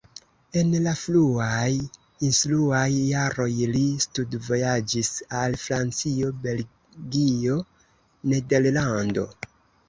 En la fruaj instruaj jaroj li studvojaĝis al Francio, Belgio, Nederlando.